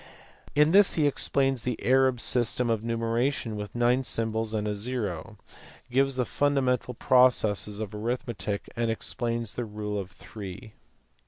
In this he explains the Arab system of numeration with nine symbols and a zero, gives the fundamental processes of arith metic, and explains the rule of three.